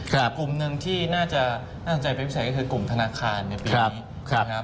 กลุ่มหนึ่งที่น่าจะน่าสนใจไปพิษัยก็คือกลุ่มธนาคารในปีนี้